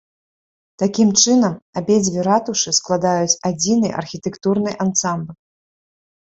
Такім чынам, абедзве ратушы складаюць адзіны архітэктурны ансамбль.